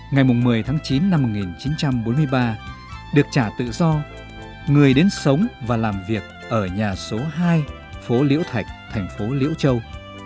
ngày một mươi tháng chín năm một nghìn chín trăm bốn mươi ba được trả tự do người đến sống và làm việc ở nhà số hai phố liễu thạch thành phố liễu châu